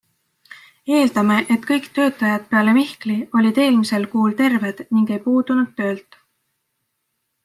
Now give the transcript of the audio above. Eeldame, et kõik töötajad peale Mihkli olid eelmisel kuul terved ning ei puudunud töölt.